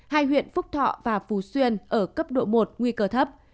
hai huyện phúc thọ và phú xuyên ở cấp độ một nguy cơ thấp